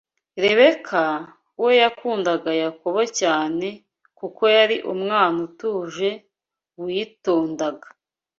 Rebeka we yakundaga Yakobo cyane kuko yari umwana utuje, witondaga